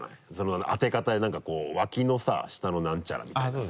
当て方なんかこう脇のさ下のなんちゃらみたいなさ。